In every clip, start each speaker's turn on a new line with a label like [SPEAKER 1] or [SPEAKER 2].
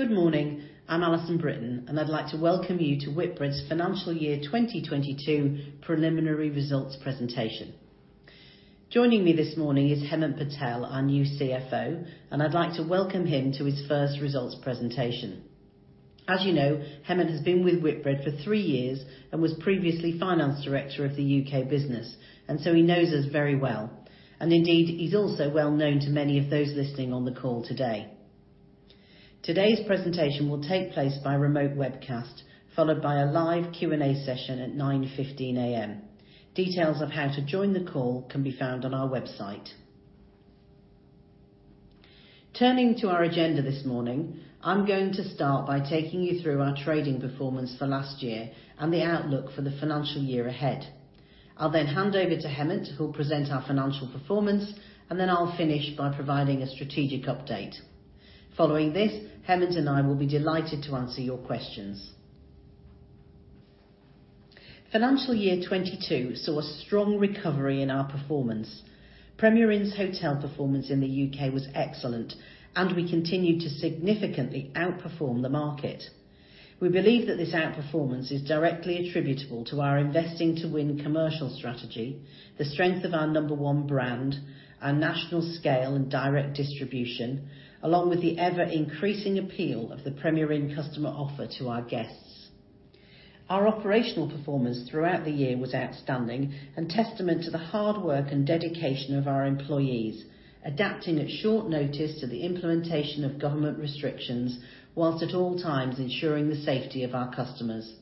[SPEAKER 1] Good morning. I'm Alison Brittain, and I'd like to welcome you to Whitbread's Financial Year 2022 Preliminary Results Presentation. Joining me this morning is Hemant Patel, our new CFO, and I'd like to welcome him to his first results presentation. As you know, Hemant has been with Whitbread for three years and was previously finance director of the U.K. business. He knows us very well. Indeed, he's also well-known to many of those listening on the call today. Today's presentation will take place by remote webcast, followed by a live Q&A session at 9:15 A.M. Details of how to join the call can be found on our website. Turning to our agenda this morning, I'm going to start by taking you through our trading performance for last year and the outlook for the financial year ahead. I'll then hand over to Hemant, who'll present our financial performance, and then I'll finish by providing a strategic update. Following this, Hemant and I will be delighted to answer your questions. Financial year 2022 saw a strong recovery in our performance. Premier Inn's hotel performance in the U.K. was excellent, and we continued to significantly outperform the market. We believe that this outperformance is directly attributable to our investing to win commercial strategy, the strength of our number one brand, our national scale and direct distribution, along with the ever-increasing appeal of the Premier Inn customer offer to our guests. Our operational performance throughout the year was outstanding and testament to the hard work and dedication of our employees, adapting at short notice to the implementation of government restrictions, while at all times ensuring the safety of our customers.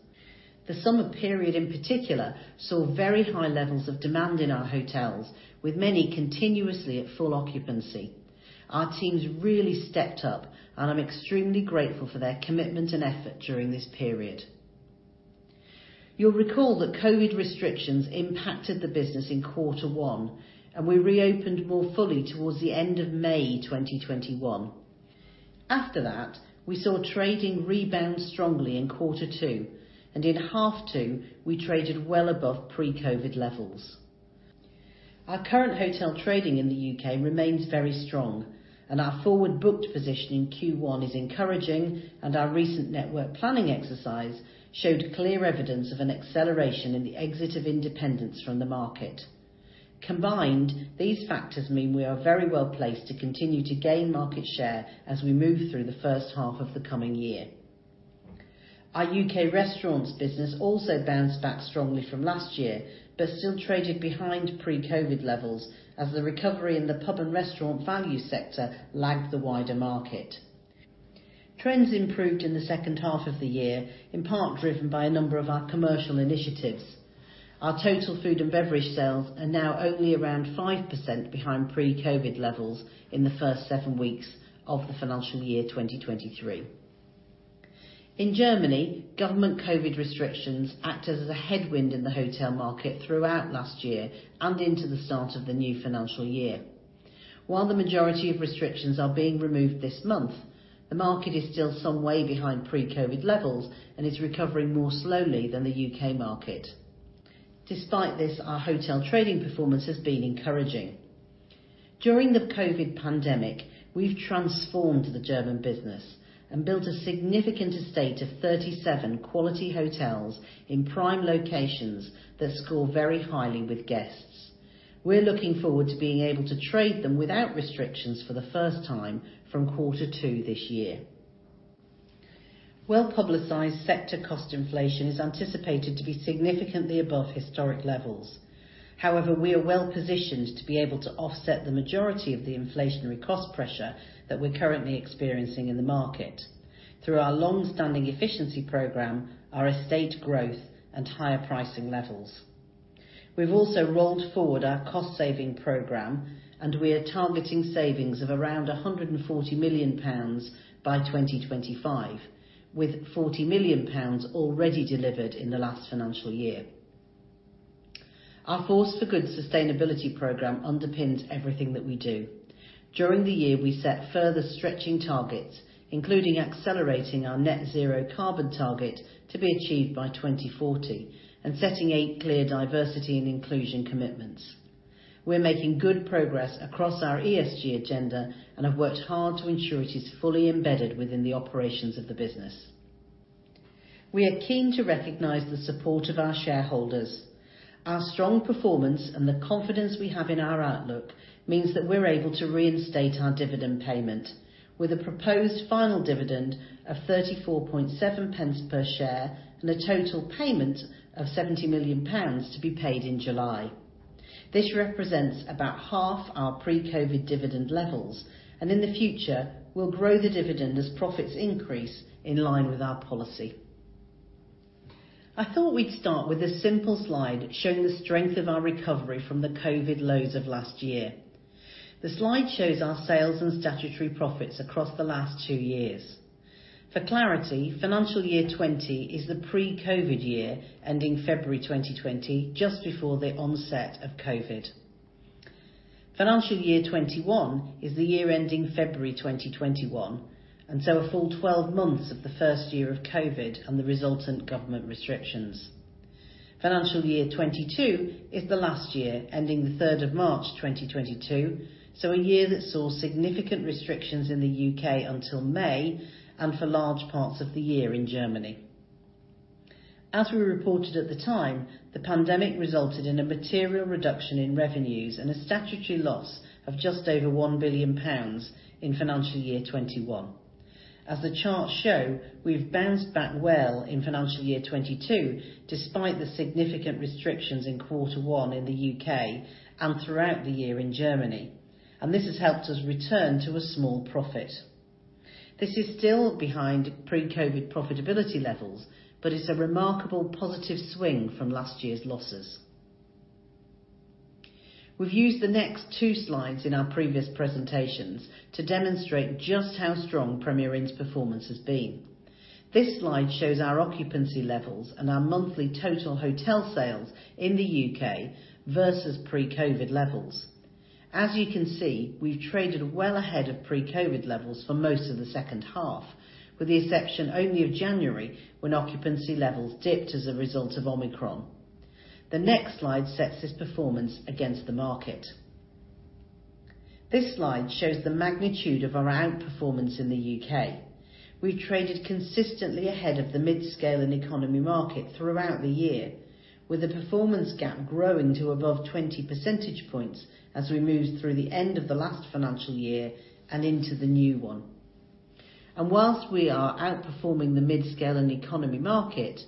[SPEAKER 1] The summer period, in particular, saw very high levels of demand in our hotels, with many continuously at full occupancy. Our teams really stepped up, and I'm extremely grateful for their commitment and effort during this period. You'll recall that COVID restrictions impacted the business in quarter one, and we reopened more fully towards the end of May 2021. After that, we saw trading rebound strongly in quarter two, and in half two, we traded well above pre-COVID levels. Our current hotel trading in the U.K. remains very strong, and our forward booked position in Q1 is encouraging, and our recent network planning exercise showed clear evidence of an acceleration in the exit of independence from the market. Combined, these factors mean we are very well-placed to continue to gain market share as we move through the first half of the coming year. Our U.K. restaurants business also bounced back strongly from last year but still traded behind pre-COVID levels as the recovery in the pub and restaurant value sector lagged the wider market. Trends improved in the second half of the year, in part driven by a number of our commercial initiatives. Our total food and beverage sales are now only around 5% behind pre-COVID levels in the first seven weeks of the financial year 2023. In Germany, government COVID restrictions act as a headwind in the hotel market throughout last year and into the start of the new financial year. While the majority of restrictions are being removed this month, the market is still some way behind pre-COVID levels and is recovering more slowly than the U.K. market. Despite this, our hotel trading performance has been encouraging. During the COVID pandemic, we've transformed the German business and built a significant estate of 37 quality hotels in prime locations that score very highly with guests. We're looking forward to being able to trade them without restrictions for the first time from quarter two this year. Well-publicized sector cost inflation is anticipated to be significantly above historic levels. However, we are well-positioned to be able to offset the majority of the inflationary cost pressure that we're currently experiencing in the market through our long-standing efficiency program, our estate growth, and higher pricing levels. We've also rolled forward our cost-saving program, and we are targeting savings of around 140 million pounds by 2025, with 40 million pounds already delivered in the last financial year. Our Force for Good sustainability program underpins everything that we do. During the year, we set further stretching targets, including accelerating our net zero carbon target to be achieved by 2040 and setting eight clear diversity and inclusion commitments. We're making good progress across our ESG agenda and have worked hard to ensure it is fully embedded within the operations of the business. We are keen to recognize the support of our shareholders. Our strong performance and the confidence we have in our outlook means that we're able to reinstate our dividend payment with a proposed final dividend of 0.347 per share and a total payment of 70 million pounds to be paid in July. This represents about half our pre-COVID dividend levels, and in the future, we'll grow the dividend as profits increase in line with our policy. I thought we'd start with a simple slide showing the strength of our recovery from the COVID lows of last year. The slide shows our sales and statutory profits across the last two years. For clarity, financial year 2020 is the pre-COVID year ending February 2020, just before the onset of COVID. Financial year 2021 is the year ending February 2021, and so a full 12 months of the first year of COVID and the resultant government restrictions. Financial year 2022 is the last year ending 3rd of March 2022. A year that saw significant restrictions in the U.K. until May and for large parts of the year in Germany. As we reported at the time, the pandemic resulted in a material reduction in revenues and a statutory loss of just over 1 billion pounds in financial year 2021. As the charts show, we've bounced back well in financial year 2022, despite the significant restrictions in quarter one in the U.K. and throughout the year in Germany. This has helped us return to a small profit. This is still behind pre-COVID profitability levels, but it's a remarkable positive swing from last year's losses. We've used the next two slides in our previous presentations to demonstrate just how strong Premier Inn's performance has been. This slide shows our occupancy levels and our monthly total hotel sales in the U.K. versus pre-COVID levels. As you can see, we've traded well ahead of pre-COVID levels for most of the second half, with the exception only of January, when occupancy levels dipped as a result of Omicron. The next slide sets this performance against the market. This slide shows the magnitude of our outperformance in the U.K. We traded consistently ahead of the mid-scale and economy market throughout the year, with the performance gap growing to above 20 percentage points as we moved through the end of the last financial year and into the new one. Whilst we are outperforming the mid-scale and economy market,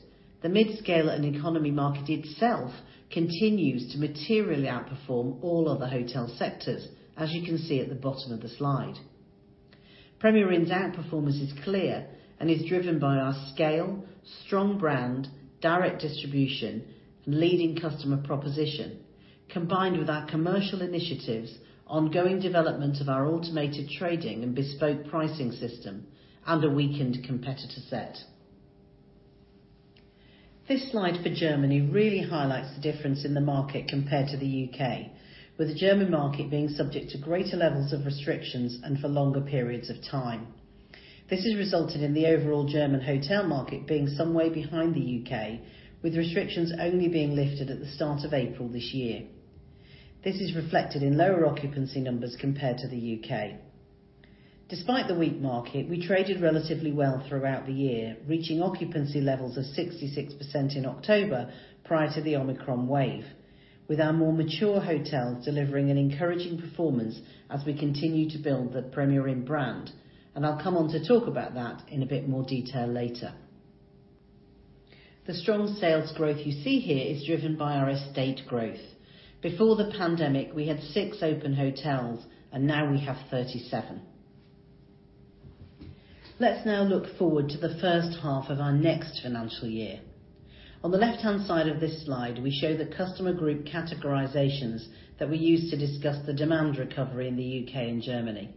[SPEAKER 1] the mid-scale and economy market itself continues to materially outperform all other hotel sectors, as you can see at the bottom of the slide. Premier Inn's outperformance is clear and is driven by our scale, strong brand, direct distribution, leading customer proposition, combined with our commercial initiatives, ongoing development of our automated trading and bespoke pricing system, and a weakened competitor set. This slide for Germany really highlights the difference in the market compared to the U.K., with the German market being subject to greater levels of restrictions and for longer periods of time. This has resulted in the overall German hotel market being some way behind the U.K., with restrictions only being lifted at the start of April this year. This is reflected in lower occupancy numbers compared to the U.K. Despite the weak market, we traded relatively well throughout the year, reaching occupancy levels of 66% in October prior to the Omicron wave, with our more mature hotels delivering an encouraging performance as we continue to build the Premier Inn brand, and I'll come on to talk about that in a bit more detail later. The strong sales growth you see here is driven by our estate growth. Before the pandemic, we had six open hotels and now we have 37. Let's now look forward to the first half of our next financial year. On the left-hand side of this slide, we show the customer group categorizations that we use to discuss the demand recovery in the U.K. and Germany.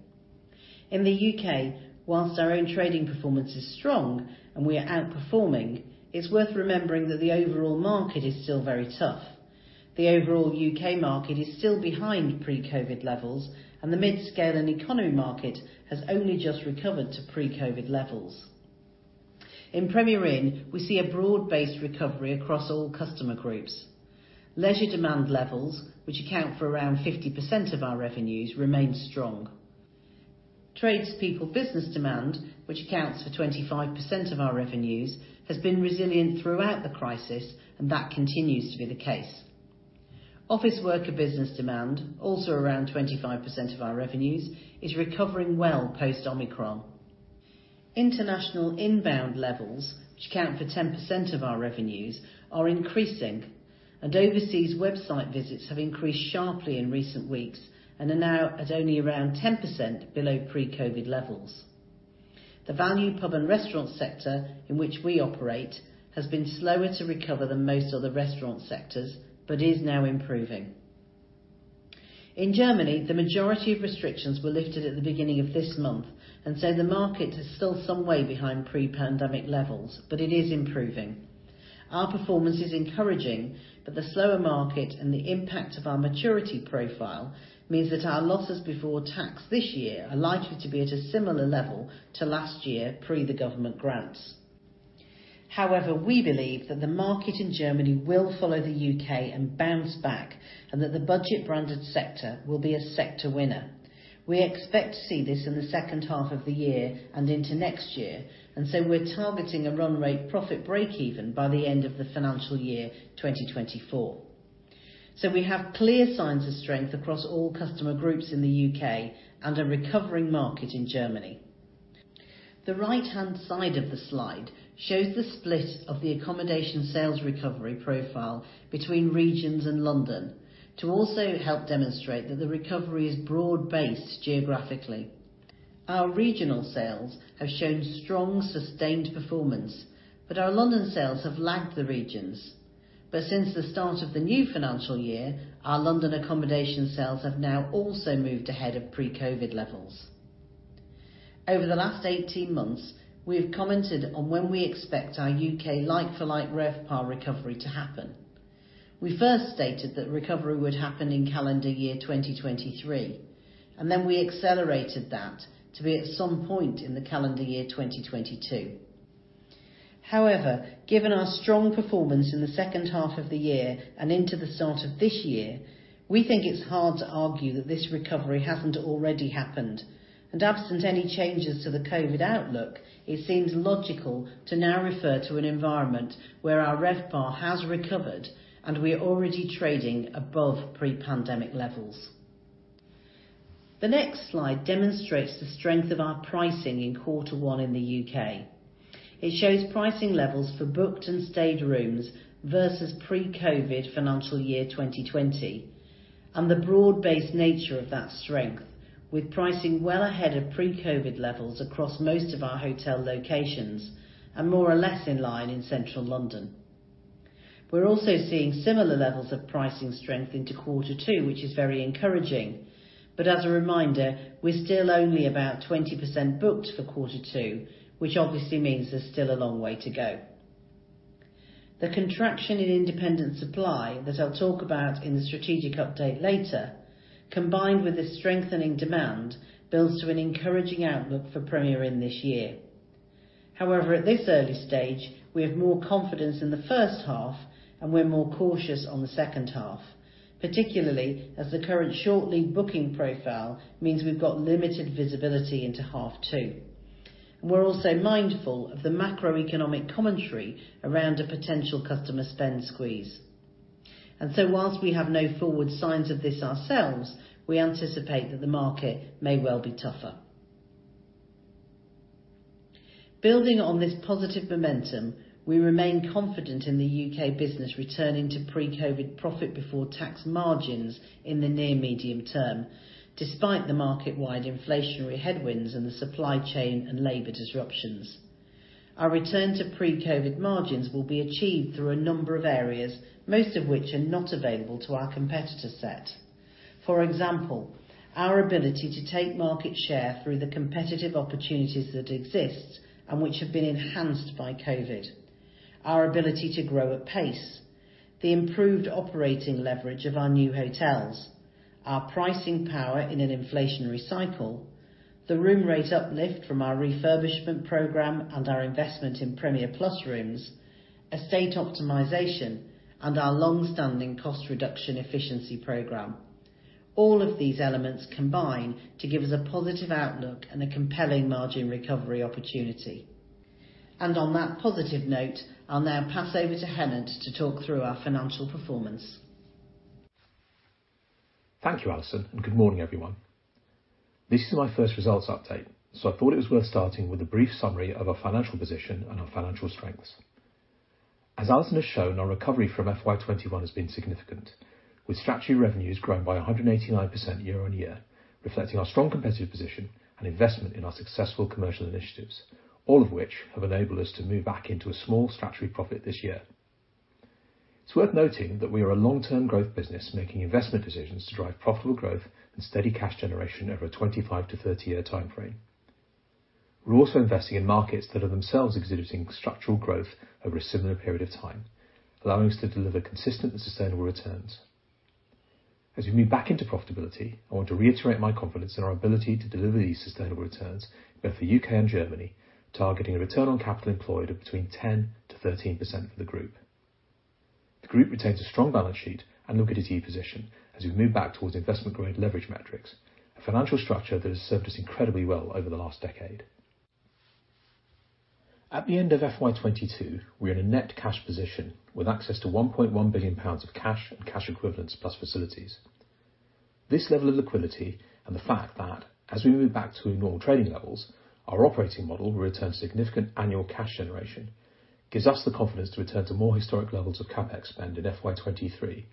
[SPEAKER 1] In the U.K., whilst our own trading performance is strong and we are outperforming, it's worth remembering that the overall market is still very tough. The overall U.K. market is still behind pre-COVID levels, and the mid-scale and economy market has only just recovered to pre-COVID levels. In Premier Inn, we see a broad-based recovery across all customer groups. Leisure demand levels, which account for around 50% of our revenues, remain strong. Trades people business demand, which accounts for 25% of our revenues, has been resilient throughout the crisis, and that continues to be the case. Office worker business demand, also around 25% of our revenues, is recovering well post Omicron. International inbound levels, which account for 10% of our revenues, are increasing and overseas website visits have increased sharply in recent weeks and are now at only around 10% below pre-COVID levels. The value pub and restaurant sector in which we operate has been slower to recover than most other restaurant sectors, but is now improving. In Germany, the majority of restrictions were lifted at the beginning of this month, and so the market is still some way behind pre-pandemic levels, but it is improving. Our performance is encouraging that the slower market and the impact of our maturity profile means that our losses before tax this year are likely to be at a similar level to last year pre the government grants. However, we believe that the market in Germany will follow the U.K. and bounce back, and that the budget branded sector will be a sector winner. We expect to see this in the second half of the year and into next year, and so we're targeting a run rate profit breakeven by the end of the financial year 2024. We have clear signs of strength across all customer groups in the U.K. and a recovering market in Germany. The right-hand side of the slide shows the split of the accommodation sales recovery profile between regions and London. To also help demonstrate that the recovery is broad-based geographically. Our regional sales have shown strong, sustained performance, but our London sales have lagged the regions. Since the start of the new financial year, our London accommodation sales have now also moved ahead of pre-COVID levels. Over the last 18 months, we have commented on when we expect our U.K. like for like RevPAR recovery to happen. We first stated that recovery would happen in calendar year 2023, and then we accelerated that to be at some point in the calendar year 2022. However, given our strong performance in the second half of the year and into the start of this year, we think it's hard to argue that this recovery hasn't already happened, and absent any changes to the COVID outlook, it seems logical to now refer to an environment where our RevPAR has recovered and we're already trading above pre-pandemic levels. The next slide demonstrates the strength of our pricing in quarter one in the U.K. It shows pricing levels for booked and stayed rooms versus pre-COVID financial year 2020, and the broad-based nature of that strength, with pricing well ahead of pre-COVID levels across most of our hotel locations and more or less in line in central London. We're also seeing similar levels of pricing strength into quarter two, which is very encouraging. As a reminder, we're still only about 20% booked for quarter two, which obviously means there's still a long way to go. The contraction in independent supply that I'll talk about in the strategic update later, combined with a strengthening demand, builds to an encouraging outlook for Premier Inn this year. However, at this early stage, we have more confidence in the first half, and we're more cautious on the second half, particularly as the current short lead booking profile means we've got limited visibility into half two. We're also mindful of the macroeconomic commentary around a potential customer spend squeeze. Whilst we have no forward signs of this ourselves, we anticipate that the market may well be tougher. Building on this positive momentum, we remain confident in the U.K. business returning to pre-COVID profit before tax margins in the near medium term, despite the market-wide inflationary headwinds and the supply chain and labor disruptions. Our return to pre-COVID margins will be achieved through a number of areas, most of which are not available to our competitor set. For example, our ability to take market share through the competitive opportunities that exist and which have been enhanced by COVID, our ability to grow at pace, the improved operating leverage of our new hotels, our pricing power in an inflationary cycle, the room rate uplift from our refurbishment program and our investment in Premier Plus rooms, estate optimization, and our long-standing cost reduction efficiency program. All of these elements combine to give us a positive outlook and a compelling margin recovery opportunity. On that positive note, I'll now pass over to Hemant to talk through our financial performance.
[SPEAKER 2] Thank you, Alison, and good morning, everyone. This is my first results update, so I thought it was worth starting with a brief summary of our financial position and our financial strengths. As Alison has shown, our recovery from FY 2021 has been significant, with statutory revenues growing by 189% year-over-year, reflecting our strong competitive position and investment in our successful commercial initiatives, all of which have enabled us to move back into a small statutory profit this year. It's worth noting that we are a long-term growth business making investment decisions to drive profitable growth and steady cash generation over a 25-30 years time frame. We're also investing in markets that are themselves exhibiting structural growth over a similar period of time, allowing us to deliver consistent and sustainable returns. As we move back into profitability, I want to reiterate my confidence in our ability to deliver these sustainable returns both for U.K. and Germany, targeting a return on capital employed of between 10%-13% for the group. The group retains a strong balance sheet and liquidity position as we move back towards investment grade leverage metrics, a financial structure that has served us incredibly well over the last decade. At the end of FY 2022, we are in a net cash position with access to 1.1 billion pounds of cash and cash equivalents plus facilities. This level of liquidity and the fact that as we move back to normal trading levels, our operating model will return significant annual cash generation, gives us the confidence to return to more historic levels of CapEx spend in FY 2023 of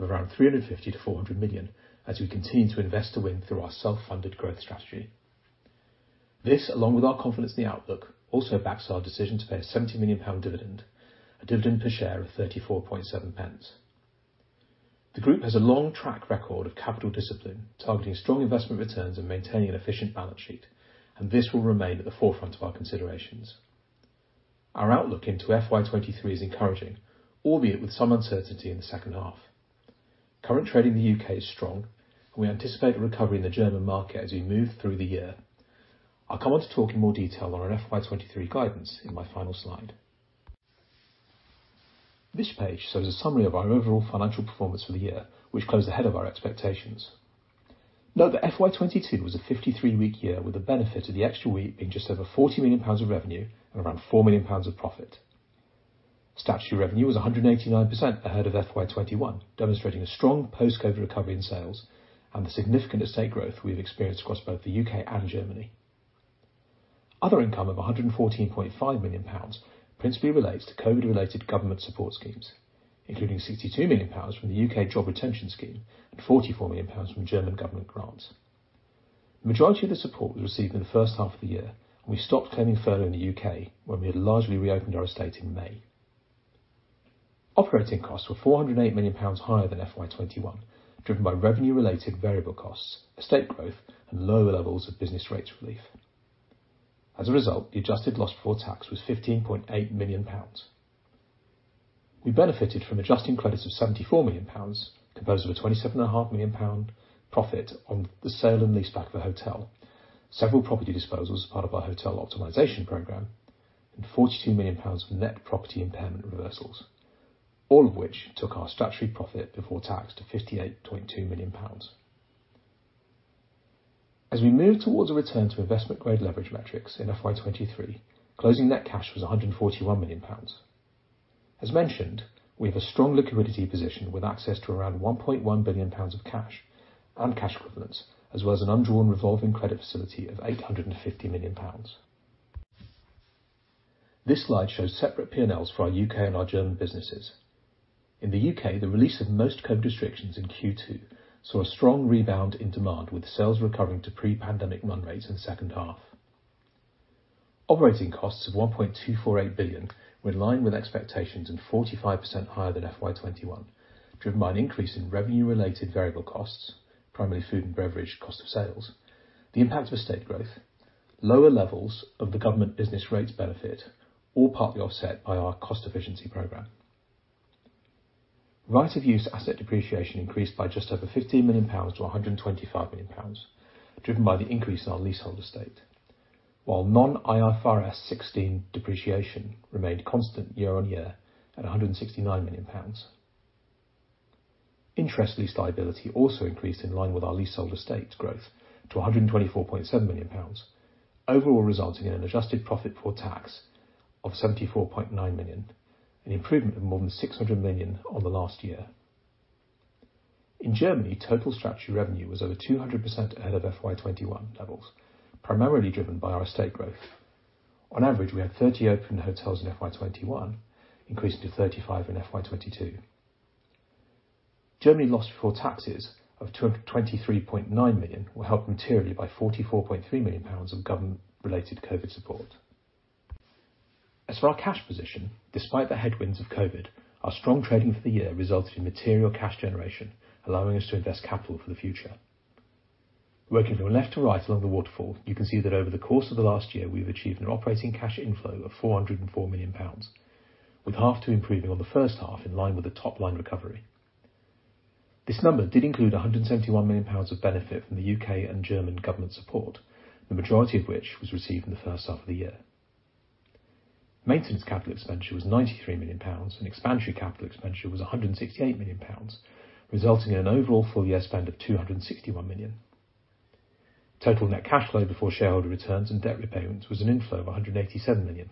[SPEAKER 2] around 350 million-400 million as we continue to invest to win through our self-funded growth strategy. This, along with our confidence in the outlook, also backs our decision to pay a 70 million pound dividend, a dividend per share of 0.347. The group has a long track record of capital discipline, targeting strong investment returns and maintaining an efficient balance sheet, and this will remain at the forefront of our considerations. Our outlook into FY 2023 is encouraging, albeit with some uncertainty in the second half. Current trading in the U.K. is strong, and we anticipate a recovery in the German market as we move through the year. I'll come on to talk in more detail on our FY 2023 guidance in my final slide. This page shows a summary of our overall financial performance for the year, which closed ahead of our expectations. Note that FY 2022 was a 53-week year with the benefit of the extra week being just over 40 million pounds of revenue and around 4 million pounds of profit. Statutory revenue was 189% ahead of FY 2021, demonstrating a strong post-COVID recovery in sales and the significant estate growth we've experienced across both the U.K. and Germany. Other income of 114.5 million pounds principally relates to COVID-related government support schemes, including 62 million pounds from the U.K. Job Retention Scheme and 44 million pounds from German government grants. The majority of the support was received in the first half of the year, and we stopped claiming further in the U.K. when we had largely reopened our estate in May. Operating costs were 408 million pounds higher than FY 2021, driven by revenue-related variable costs, estate growth, and lower levels of business rates relief. As a result, the adjusted loss for tax was 15.8 million pounds. We benefited from adjusting credits of 74 million pounds, composed of a 27.5 million pound profit on the sale and leaseback of a hotel, several property disposals as part of our hotel optimization program, and GBP 42 million of net property impairment reversals, all of which took our statutory profit before tax to 58.2 million pounds. As we move towards a return to investment-grade leverage metrics in FY 2023, closing net cash was 141 million pounds. As mentioned, we have a strong liquidity position with access to around 1.1 billion pounds of cash and cash equivalents, as well as an undrawn revolving credit facility of 850 million pounds. This slide shows separate P&Ls for our U.K. and our German businesses. In the U.K., the release of most COVID restrictions in Q2 saw a strong rebound in demand, with sales recovering to pre-pandemic run rates in the second half. Operating costs of 1.248 billion were in line with expectations and 45% higher than FY 2021, driven by an increase in revenue-related variable costs, primarily food and beverage cost of sales, the impact of estate growth, lower levels of the government business rates benefit, all partly offset by our cost efficiency program. Right of use asset depreciation increased by just over 15 million pounds to 125 million pounds, driven by the increase in our leasehold estate, while non-IFRS 16 depreciation remained constant year-on-year at 169 million pounds. Interest lease liability also increased in line with our leasehold estate growth to 124.7 million pounds, overall resulting in an adjusted profit for tax of 74.9 million, an improvement of more than 600 million on the last year. In Germany, total statutory revenue was over 200% ahead of FY 2021 levels, primarily driven by our estate growth. On average, we had 30 open hotels in FY 2021, increasing to 35 in FY 2022. Germany's loss before taxes of 223.9 million were helped materially by 44.3 million pounds of government-related COVID support. As for our cash position, despite the headwinds of COVID, our strong trading for the year resulted in material cash generation, allowing us to invest capital for the future. Working from left to right along the waterfall, you can see that over the course of the last year, we've achieved an operating cash inflow of 404 million pounds, with half two improving on the first half in line with the top-line recovery. This number did include 171 million pounds of benefit from the U.K. and German government support, the majority of which was received in the first half of the year. Maintenance capital expenditure was GBP 93 million, and expansion capital expenditure was GBP 168 million, resulting in an overall full-year spend of GBP 261 million. Total net cash flow before shareholder returns and debt repayments was an inflow of GBP 187 million.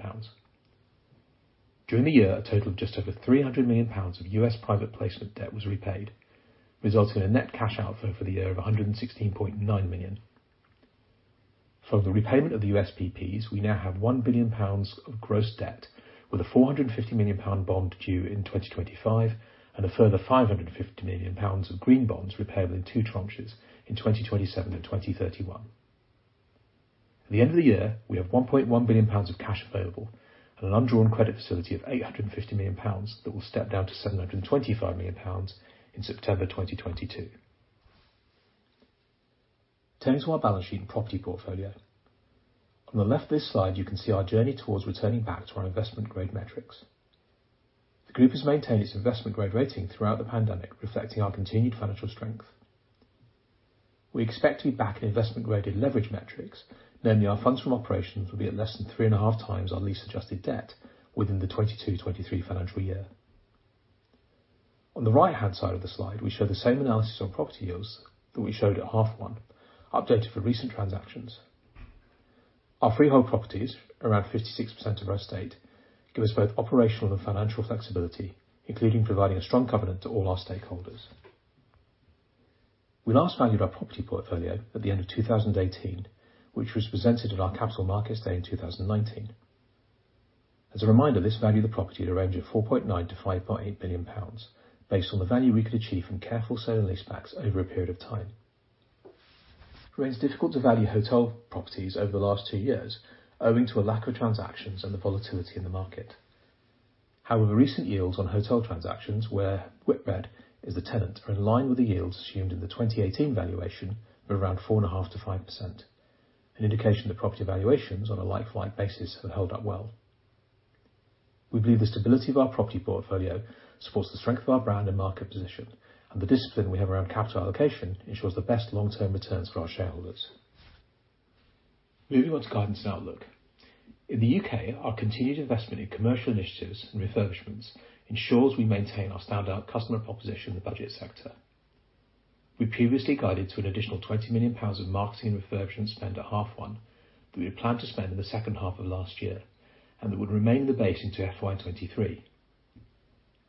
[SPEAKER 2] During the year, a total of just over GBP 300 million of U.S. private placement debt was repaid, resulting in a net cash outflow for the year of GBP 116.9 million. From the repayment of the USPPs, we now have 1 billion pounds of gross debt, with a 450 million pound bond due in 2025 and a further 550 million pounds of green bonds repayable in two tranches in 2027 and 2031. At the end of the year, we have 1.1 billion pounds of cash available and an undrawn credit facility of 850 million pounds that will step down to 725 million pounds in September 2022. Turning to our balance sheet and property portfolio. On the left of this slide, you can see our journey towards returning back to our investment-grade metrics. The group has maintained its investment-grade rating throughout the pandemic, reflecting our continued financial strength. We expect to be back in investment-graded leverage metrics, namely our funds from operations will be at less than 3.5x our lease-adjusted debt within the 2022/2023 financial year. On the right-hand side of the slide, we show the same analysis on property yields that we showed at H1, updated for recent transactions. Our freehold properties, around 56% of our estate, give us both operational and financial flexibility, including providing a strong covenant to all our stakeholders. We last valued our property portfolio at the end of 2018, which was presented at our Capital Markets Day in 2019. As a reminder, this valued the property at a range of 4.9 billion-5.8 billion pounds, based on the value we could achieve from careful sale and leasebacks over a period of time. It remains difficult to value hotel properties over the last two years owing to a lack of transactions and the volatility in the market. However, recent yields on hotel transactions where Whitbread is the tenant are in line with the yields assumed in the 2018 valuation of around 4.5%-5%, an indication that property valuations on a like-for-like basis have held up well. We believe the stability of our property portfolio supports the strength of our brand and market position, and the discipline we have around capital allocation ensures the best long-term returns for our shareholders. Moving on to guidance and outlook. In the U.K., our continued investment in commercial initiatives and refurbishments ensures we maintain our standout customer proposition in the budget sector. We previously guided to an additional 20 million pounds of marketing refurbishment spend in H1 that we had planned to spend in the second half of last year and that would remain the base into FY 2023.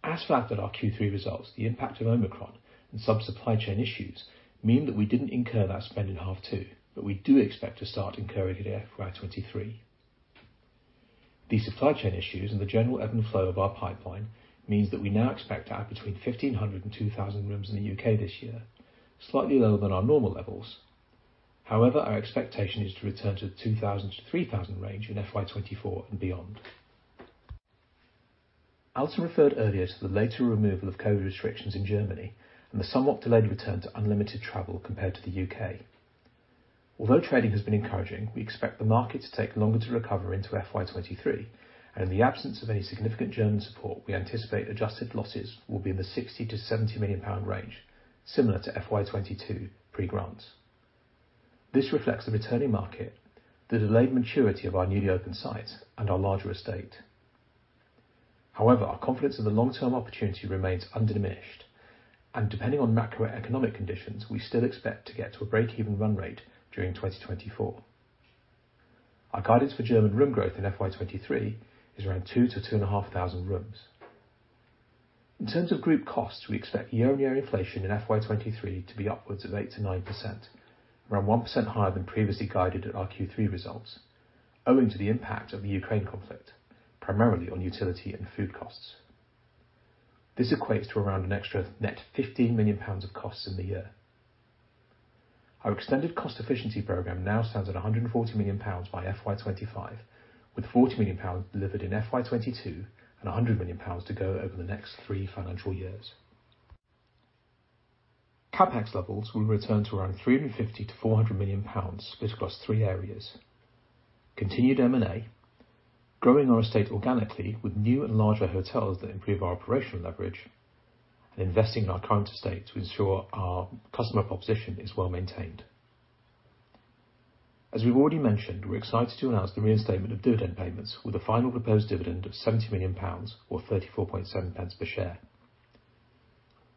[SPEAKER 2] As flagged at our Q3 results, the impact of Omicron and some supply chain issues mean that we didn't incur that spend in H2, but we do expect to start incurring it in FY 2023. These supply chain issues and the general ebb and flow of our pipeline means that we now expect to add between 1,500 and 2,000 rooms in the U.K. this year, slightly lower than our normal levels. However, our expectation is to return to the 2,000-3,000 range in FY 2024 and beyond. Alison referred earlier to the later removal of COVID restrictions in Germany and the somewhat delayed return to unlimited travel compared to the U.K. Although trading has been encouraging, we expect the market to take longer to recover into FY 2023 and in the absence of any significant German support, we anticipate adjusted losses will be in the 60-70 million pound range, similar to FY 2022 pre-grant. This reflects the returning market, the delayed maturity of our newly opened sites and our larger estate. However, our confidence in the long-term opportunity remains undiminished and depending on macroeconomic conditions, we still expect to get to a break-even run rate during 2024. Our guidance for German room growth in FY 2023 is around 2,000-2,500 rooms. In terms of group costs, we expect year-on-year inflation in FY 2023 to be upwards of 8%-9%. Around 1% higher than previously guided at our Q3 results, owing to the impact of the Ukraine conflict, primarily on utility and food costs. This equates to around an extra net 15 million pounds of costs in the year. Our extended cost efficiency program now stands at 140 million pounds by FY 2025, with 40 million pounds delivered in FY 2022 and 100 million pounds to go over the next three financial years. CapEx levels will return to around 350 million-400 million pounds split across three areas. Continued M&A, growing our estate organically with new and larger hotels that improve our operational leverage and investing in our current estate to ensure our customer proposition is well maintained. As we've already mentioned, we're excited to announce the reinstatement of dividend payments with a final proposed dividend of GBP 70 million or 0.347 per share.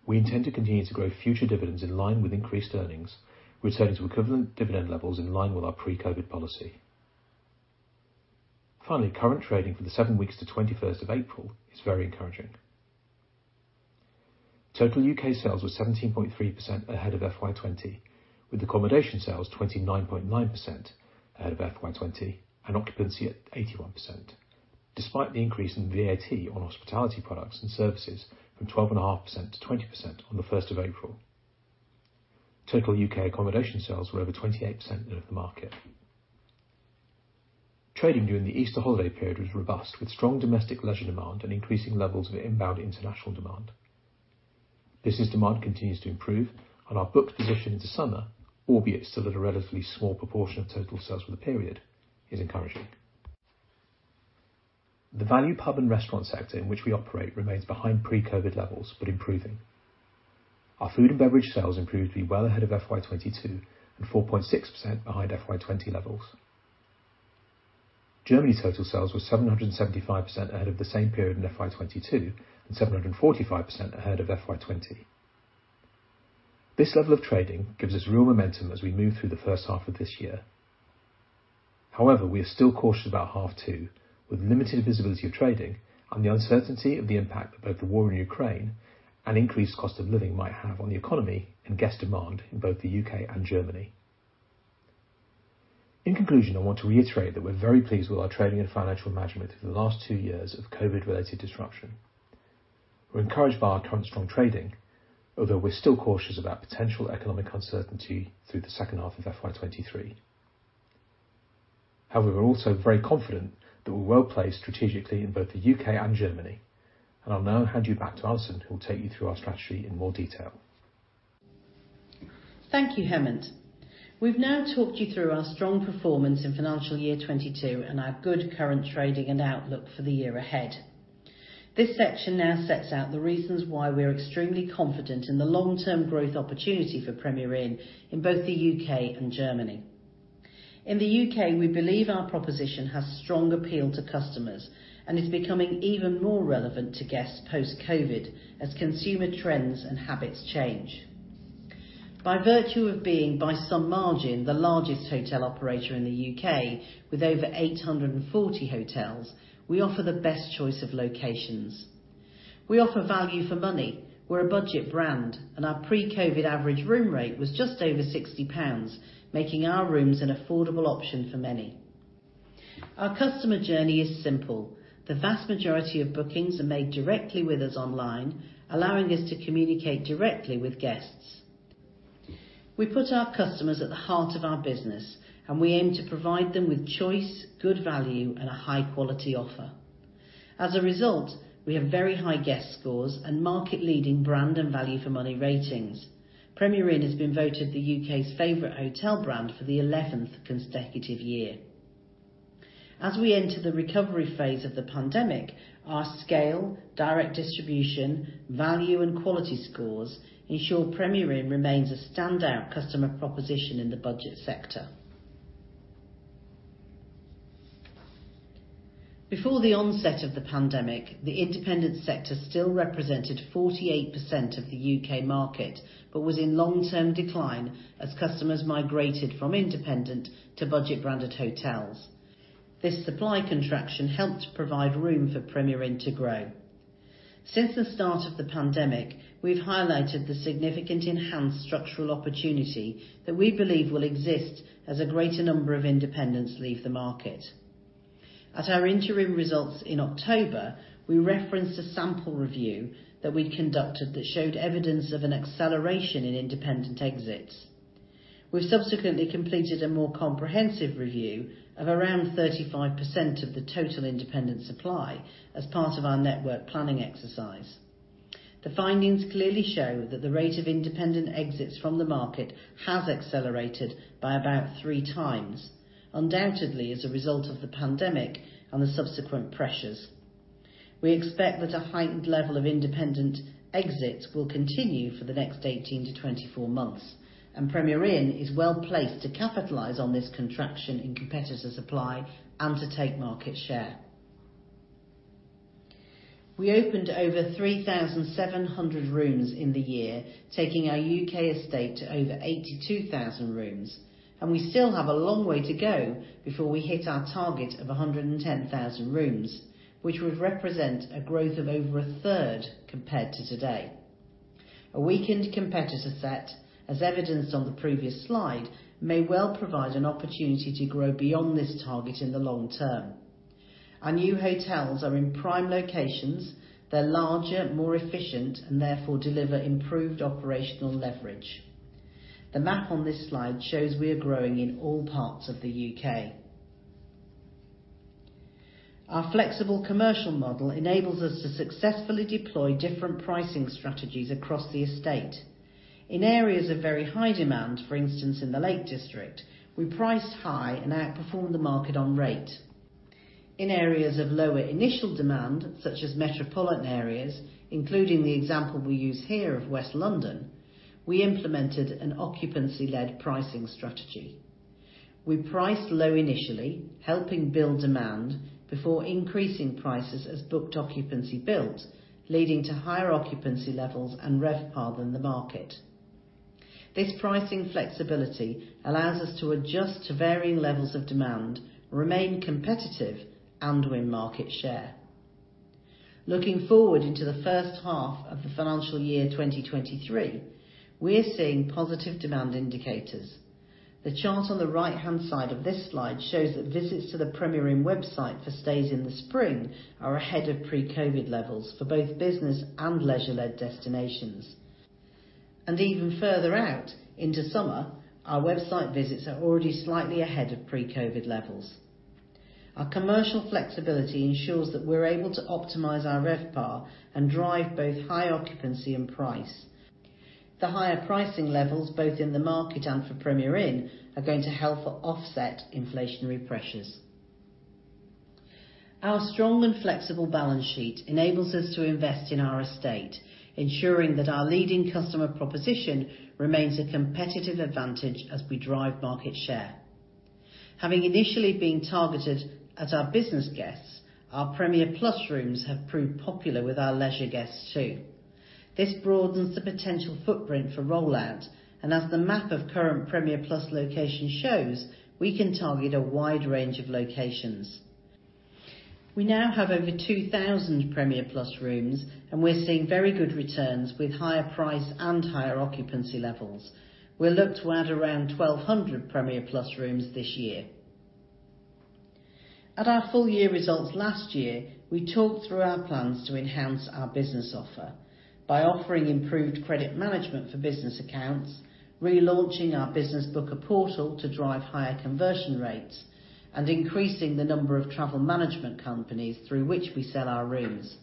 [SPEAKER 2] We intend to continue to grow future dividends in line with increased earnings, returning to equivalent dividend levels in line with our pre-COVID policy. Finally, current trading for the seven weeks to 21st of April is very encouraging. Total U.K. sales were 17.3% ahead of FY 2020, with accommodation sales 29.9% ahead of FY 2020 and occupancy at 81%. Despite the increase in VAT on hospitality products and services from 12.5% to 20% on the 1st of April, total U.K. accommodation sales were over 28% ahead of the market. Trading during the Easter holiday period was robust, with strong domestic leisure demand and increasing levels of inbound international demand. Business demand continues to improve and our booked position into summer, albeit still at a relatively small proportion of total sales for the period, is encouraging. The value pub and restaurant sector in which we operate remains behind pre-COVID levels, but improving. Our food and beverage sales improved to be well ahead of FY 2022 and 4.6% behind FY 2020 levels. Germany's total sales were 7.75% ahead of the same period in FY 2022 and 7.45% ahead of FY 2020. This level of trading gives us real momentum as we move through the first half of this year. However, we are still cautious about H2 with limited visibility of trading and the uncertainty of the impact that both the war in Ukraine and increased cost of living might have on the economy and guest demand in both the U.K. and Germany. In conclusion, I want to reiterate that we're very pleased with our trading and financial management through the last two years of COVID-related disruption. We're encouraged by our current strong trading, although we're still cautious about potential economic uncertainty through the second half of FY 2023. However, we're also very confident that we're well-placed strategically in both the U.K. and Germany. I'll now hand you back to Alison, who will take you through our strategy in more detail.
[SPEAKER 1] Thank you, Hemant. We've now talked you through our strong performance in financial year 2022 and our good current trading and outlook for the year ahead. This section now sets out the reasons why we are extremely confident in the long term growth opportunity for Premier Inn in both the U.K. and Germany. In the U.K., we believe our proposition has strong appeal to customers and is becoming even more relevant to guests post-COVID as consumer trends and habits change. By virtue of being, by some margin, the largest hotel operator in the U.K. with over 840 hotels, we offer the best choice of locations. We offer value for money. We're a budget brand, and our pre-COVID average room rate was just over 60 pounds, making our rooms an affordable option for many. Our customer journey is simple. The vast majority of bookings are made directly with us online, allowing us to communicate directly with guests. We put our customers at the heart of our business, and we aim to provide them with choice, good value, and a high-quality offer. As a result, we have very high guest scores and market-leading brand and value for money ratings. Premier Inn has been voted the U.K.'s favorite hotel brand for the eleventh consecutive year. As we enter the recovery phase of the pandemic, our scale, direct distribution, value and quality scores ensure Premier Inn remains a standout customer proposition in the budget sector. Before the onset of the pandemic, the independent sector still represented 48% of the U.K. market, but was in long-term decline as customers migrated from independent to budget branded hotels. This supply contraction helped provide room for Premier Inn to grow. Since the start of the pandemic, we've highlighted the significant enhanced structural opportunity that we believe will exist as a greater number of independents leave the market. At our interim results in October, we referenced a sample review that we'd conducted that showed evidence of an acceleration in independent exits. We subsequently completed a more comprehensive review of around 35% of the total independent supply as part of our network planning exercise. The findings clearly show that the rate of independent exits from the market has accelerated by about 3 times, undoubtedly as a result of the pandemic and the subsequent pressures. We expect that a heightened level of independent exits will continue for the next 18-24 months, and Premier Inn is well-placed to capitalize on this contraction in competitor supply and to take market share. We opened over 3,700 rooms in the year, taking our U.K. estate to over 82,000 rooms, and we still have a long way to go before we hit our target of 110,000 rooms, which would represent a growth of over a third compared to today. A weakened competitor set, as evidenced on the previous slide, may well provide an opportunity to grow beyond this target in the long term. Our new hotels are in prime locations, they're larger, more efficient, and therefore deliver improved operational leverage. The map on this slide shows we are growing in all parts of the U.K. Our flexible commercial model enables us to successfully deploy different pricing strategies across the estate. In areas of very high demand, for instance, in the Lake District, we priced high and outperformed the market on rate. In areas of lower initial demand, such as metropolitan areas, including the example we use here of West London, we implemented an occupancy-led pricing strategy. We priced low initially, helping build demand before increasing prices as booked occupancy built, leading to higher occupancy levels and RevPAR than the market. This pricing flexibility allows us to adjust to varying levels of demand, remain competitive, and win market share. Looking forward into the first half of the financial year 2023, we are seeing positive demand indicators. The chart on the right-hand side of this slide shows that visits to the Premier Inn website for stays in the spring are ahead of pre-COVID levels for both business and leisure-led destinations. Even further out into summer, our website visits are already slightly ahead of pre-COVID levels. Our commercial flexibility ensures that we're able to optimize our RevPAR and drive both high occupancy and price. The higher pricing levels, both in the market and for Premier Inn, are going to help offset inflationary pressures. Our strong and flexible balance sheet enables us to invest in our estate, ensuring that our leading customer proposition remains a competitive advantage as we drive market share. Having initially been targeted at our business guests, our Premier Plus rooms have proved popular with our leisure guests too. This broadens the potential footprint for rollout, and as the map of current Premier Plus location shows, we can target a wide range of locations. We now have over 2,000 Premier Plus rooms, and we're seeing very good returns with higher price and higher occupancy levels. We look to add around 1,200 Premier Plus rooms this year. At our full year results last year, we talked through our plans to enhance our business offer by offering improved credit management for business accounts, relaunching our Business Booker portal to drive higher conversion rates, and increasing the number of travel management companies through which we sell our rooms.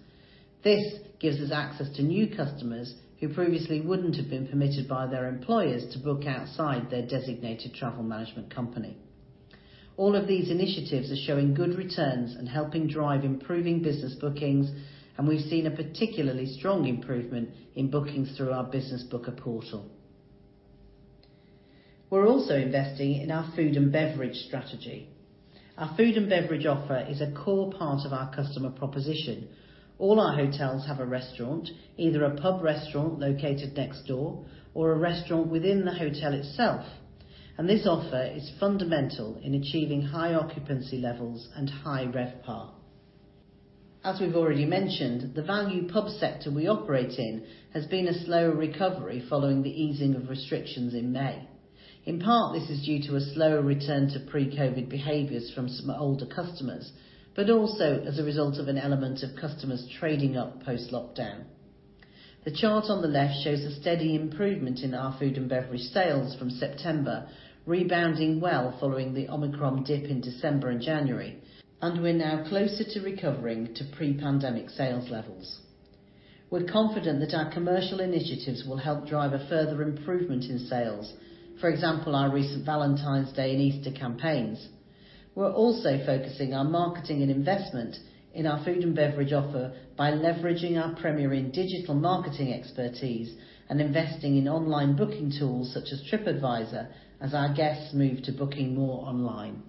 [SPEAKER 1] This gives us access to new customers who previously wouldn't have been permitted by their employers to book outside their designated travel management company. All of these initiatives are showing good returns and helping drive improving business bookings, and we've seen a particularly strong improvement in bookings through our Business Booker portal. We're also investing in our food and beverage strategy. Our food and beverage offer is a core part of our customer proposition. All our hotels have a restaurant, either a pub restaurant located next door or a restaurant within the hotel itself. This offer is fundamental in achieving high occupancy levels and high RevPAR. As we've already mentioned, the value pub sector we operate in has been a slower recovery following the easing of restrictions in May. In part, this is due to a slower return to pre-COVID behaviors from some older customers, but also as a result of an element of customers trading up post-lockdown. The chart on the left shows a steady improvement in our food and beverage sales from September, rebounding well following the Omicron dip in December and January, and we're now closer to recovering to pre-pandemic sales levels. We're confident that our commercial initiatives will help drive a further improvement in sales, for example, our recent Valentine's Day and Easter campaigns. We're also focusing our marketing and investment in our food and beverage offer by leveraging our Premier Inn digital marketing expertise and investing in online booking tools such as Tripadvisor as our guests move to booking more online.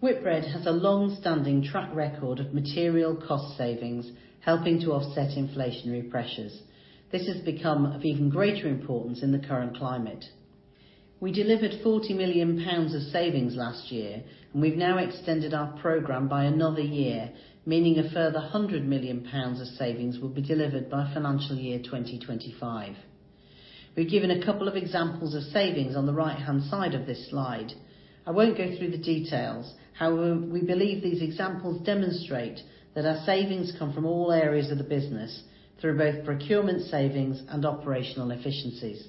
[SPEAKER 1] Whitbread has a long-standing track record of material cost savings, helping to offset inflationary pressures. This has become of even greater importance in the current climate. We delivered 40 million pounds of savings last year, and we've now extended our program by another year, meaning a further 100 million pounds of savings will be delivered by financial year 2025. We've given a couple of examples of savings on the right-hand side of this slide. I won't go through the details. However, we believe these examples demonstrate that our savings come from all areas of the business through both procurement savings and operational efficiencies.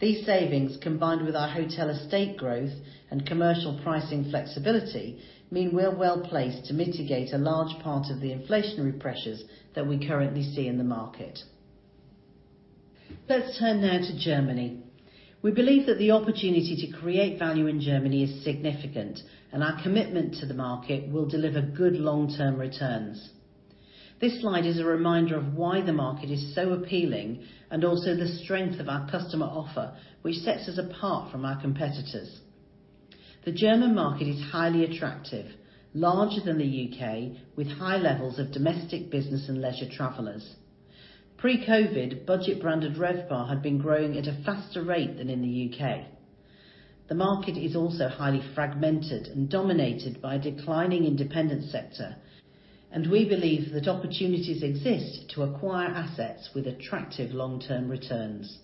[SPEAKER 1] These savings, combined with our hotel estate growth and commercial pricing flexibility, mean we're well-placed to mitigate a large part of the inflationary pressures that we currently see in the market. Let's turn now to Germany. We believe that the opportunity to create value in Germany is significant, and our commitment to the market will deliver good long-term returns. This slide is a reminder of why the market is so appealing, and also the strength of our customer offer, which sets us apart from our competitors. The German market is highly attractive, larger than the U.K., with high levels of domestic business and leisure travelers. Pre-COVID, budget branded RevPAR had been growing at a faster rate than in the U.K. The market is also highly fragmented and dominated by a declining independent sector, and we believe that opportunities exist to acquire assets with attractive long-term returns.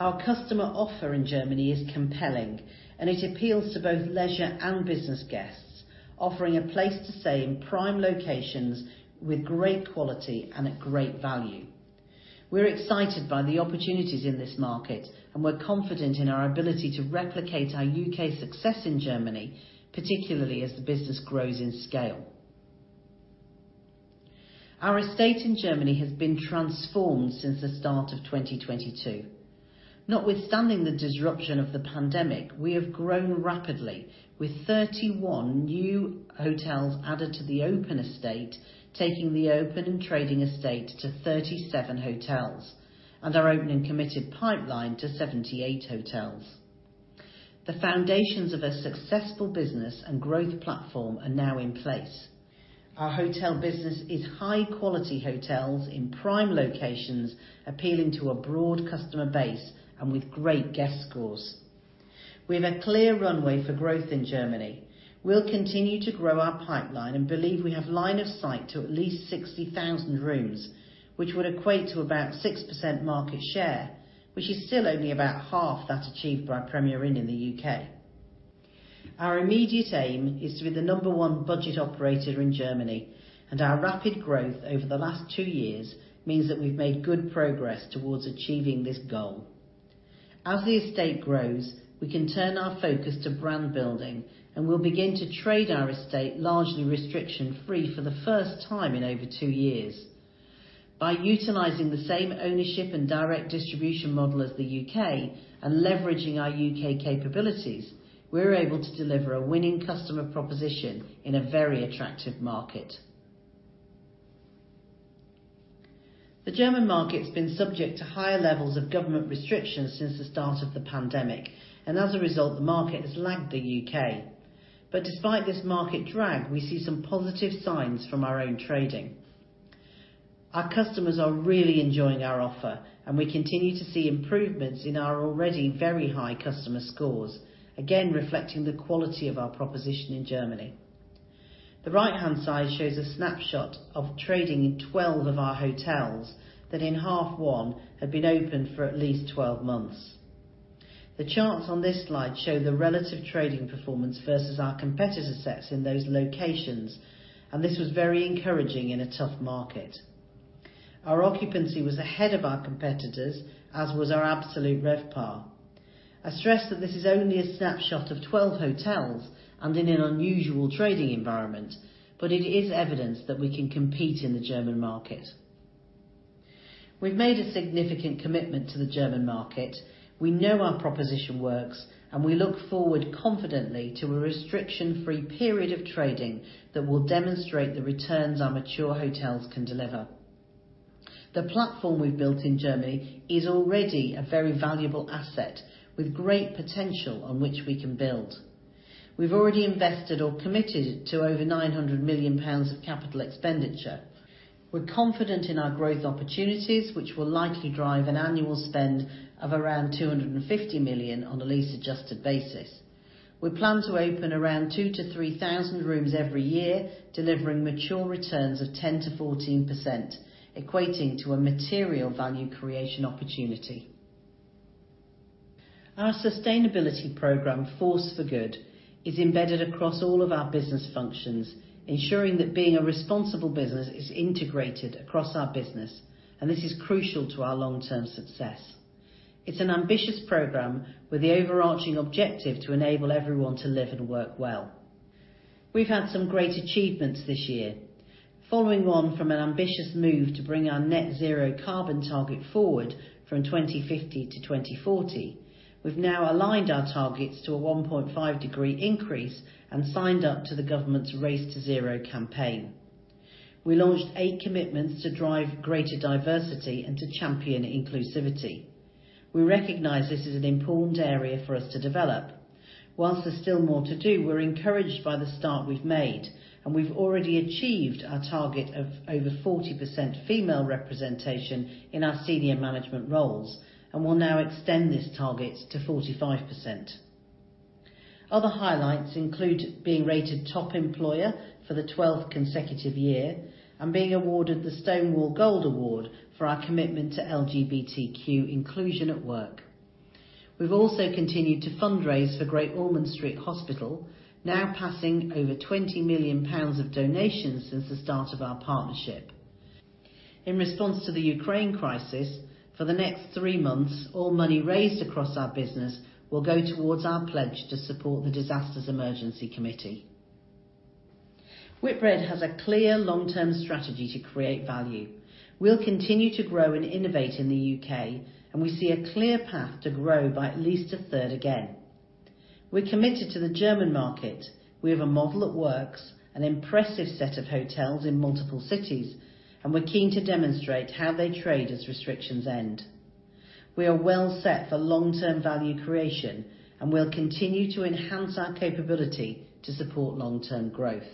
[SPEAKER 1] Our customer offer in Germany is compelling, and it appeals to both leisure and business guests, offering a place to stay in prime locations with great quality and at great value. We're excited by the opportunities in this market, and we're confident in our ability to replicate our U.K. success in Germany, particularly as the business grows in scale. Our estate in Germany has been transformed since the start of 2022. Notwithstanding the disruption of the pandemic, we have grown rapidly with 31 new hotels added to the open estate, taking the open and trading estate to 37 hotels, and our opening committed pipeline to 78 hotels. The foundations of a successful business and growth platform are now in place. Our hotel business is high-quality hotels in prime locations, appealing to a broad customer base and with great guest scores. We have a clear runway for growth in Germany. We'll continue to grow our pipeline and believe we have line of sight to at least 60,000 rooms, which would equate to about 6% market share, which is still only about half that achieved by Premier Inn in the U.K. Our immediate aim is to be the number one budget operator in Germany, and our rapid growth over the last two years means that we've made good progress towards achieving this goal. As the estate grows, we can turn our focus to brand building, and we'll begin to trade our estate largely restriction-free for the first time in over two years. By utilizing the same ownership and direct distribution model as the U.K. and leveraging our U.K. capabilities, we're able to deliver a winning customer proposition in a very attractive market. The German market's been subject to higher levels of government restrictions since the start of the pandemic, and as a result, the market has lagged the U.K. Despite this market drag, we see some positive signs from our own trading. Our customers are really enjoying our offer, and we continue to see improvements in our already very high customer scores, again, reflecting the quality of our proposition in Germany. The right-hand side shows a snapshot of trading in 12 of our hotels that in H1 had been open for at least 12 months. The charts on this slide show the relative trading performance versus our competitor sets in those locations, and this was very encouraging in a tough market. Our occupancy was ahead of our competitors, as was our absolute RevPAR. I stress that this is only a snapshot of 12 hotels and in an unusual trading environment, but it is evidence that we can compete in the German market. We've made a significant commitment to the German market. We know our proposition works, and we look forward confidently to a restriction-free period of trading that will demonstrate the returns our mature hotels can deliver. The platform we've built in Germany is already a very valuable asset with great potential on which we can build. We've already invested or committed to over 900 million pounds of capital expenditure. We're confident in our growth opportunities, which will likely drive an annual spend of around 250 million on a lease adjusted basis. We plan to open around 2,000-3,000 rooms every year, delivering mature returns of 10%-14%, equating to a material value creation opportunity. Our sustainability program, Force for Good, is embedded across all of our business functions, ensuring that being a responsible business is integrated across our business, and this is crucial to our long-term success. It's an ambitious program with the overarching objective to enable everyone to live and work well. We've had some great achievements this year. Following on from an ambitious move to bring our net zero carbon target forward from 2050 to 2040, we've now aligned our targets to a 1.5-degree increase and signed up to the government's Race to Zero campaign. We launched eight commitments to drive greater diversity and to champion inclusivity. We recognize this is an important area for us to develop. While there's still more to do, we're encouraged by the start we've made, and we've already achieved our target of over 40% female representation in our senior management roles and will now extend this target to 45%. Other highlights include being rated top employer for the 12th consecutive year and being awarded the Stonewall Gold Award for our commitment to LGBTQ inclusion at work. We've also continued to fundraise for Great Ormond Street Hospital, now passing over 20 million pounds of donations since the start of our partnership. In response to the Ukraine crisis, for the next three months, all money raised across our business will go towards our pledge to support the Disasters Emergency Committee. Whitbread has a clear long-term strategy to create value. We'll continue to grow and innovate in the U.K., and we see a clear path to grow by at least a third again. We're committed to the German market. We have a model that works, an impressive set of hotels in multiple cities, and we're keen to demonstrate how they trade as restrictions end. We are well set for long-term value creation, and we'll continue to enhance our capability to support long-term growth.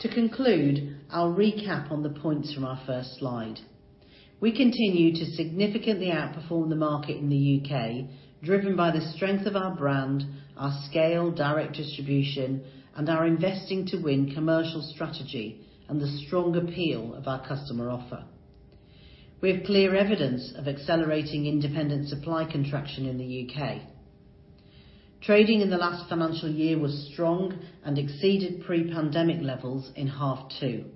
[SPEAKER 1] To conclude, I'll recap on the points from our first slide. We continue to significantly outperform the market in the U.K., driven by the strength of our brand, our scale, direct distribution, and our investing to win commercial strategy, and the strong appeal of our customer offer. We have clear evidence of accelerating independent supply contraction in the U.K. Trading in the last financial year was strong and exceeded pre-pandemic levels in H2.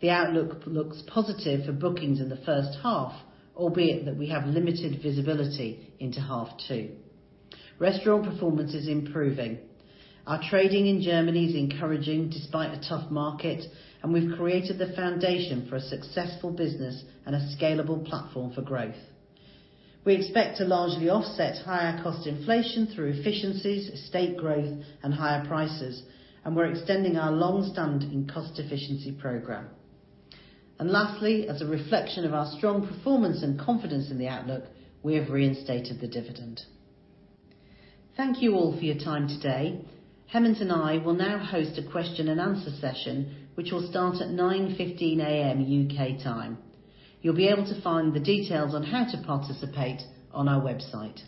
[SPEAKER 1] The outlook looks positive for bookings in the first half, albeit that we have limited visibility into half two. Restaurant performance is improving. Our trading in Germany is encouraging despite a tough market, and we've created the foundation for a successful business and a scalable platform for growth. We expect to largely offset higher cost inflation through efficiencies, estate growth, and higher prices, and we're extending our long-standing cost efficiency program. Lastly, as a reflection of our strong performance and confidence in the outlook, we have reinstated the dividend. Thank you all for your time today. Hemant and I will now host a question and answer session, which will start at 9:15 A.M. U.K. time. You'll be able to find the details on how to participate on our website.